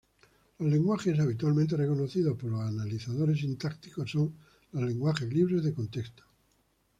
Los lenguajes habitualmente reconocidos por los analizadores sintácticos son los lenguajes libres de contexto.